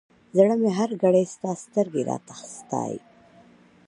زړه می هر گړی ستا سترگي راته ستایي !.